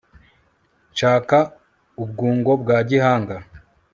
Nshaka ubwungo bwa Gihanga